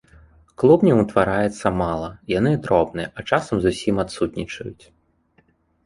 Клубняў утвараецца мала, яны дробныя, а часам зусім адсутнічаюць.